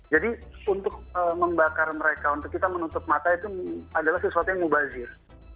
jadi untuk membakar mereka untuk kita menutup mata itu adalah sesuatu yang mubazir